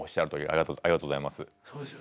ありがとうございます。